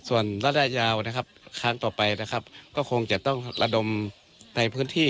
ส่วนระดาษยาวครั้งต่อไปก็คงจะต้องระดมในพื้นที่